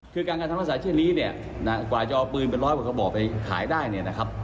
คือการกระทำรักษาเช่นนี้เนี่ยกว่าจะเอาปืนเป็นร้อยกว่ากระบอกไปขายได้เนี่ยนะครับ